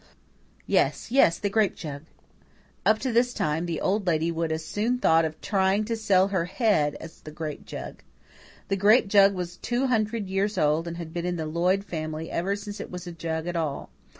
Yes, yes, the grape jug!" Up to this time, the Old Lady would as soon have thought of trying to sell her head as the grape jug. The grape jug was two hundred years old and had been in the Lloyd family ever since it was a jug at all.